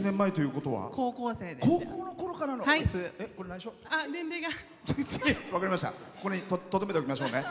ここにとどめておきましょうね。